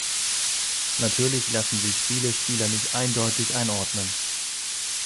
Natürlich lassen sich viele Spiele nicht eindeutig einordnen.